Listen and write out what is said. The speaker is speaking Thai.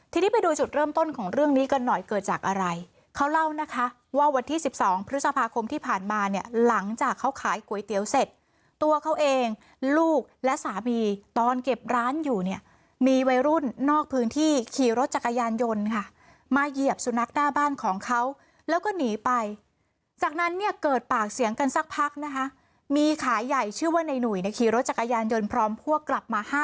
ทีนี้ไปดูจุดเริ่มต้นของเรื่องนี้กันหน่อยเกิดจากอะไรเขาเล่านะคะว่าวันที่สิบสองพฤษภาคมที่ผ่านมาเนี่ยหลังจากเขาขายก๋วยเตี๋ยวเสร็จตัวเขาเองลูกและสามีตอนเก็บร้านอยู่เนี่ยมีวัยรุ่นนอกพื้นที่ขี่รถจักรยานยนต์ค่ะมาเหยียบสุนัขหน้าบ้านของเขาแล้วก็หนีไปจากนั้นเนี่ยเกิดปากเสียงกันสักพักนะคะ